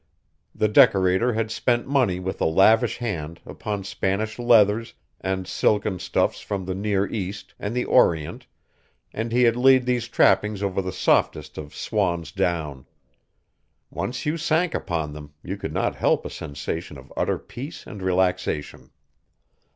The decorator had spent money with a lavish hand upon Spanish leathers and silken stuffs from the near East and the Orient and he had laid these trappings over the softest of swan's down. Once you sank upon them you could not help a sensation of utter peace and relaxation.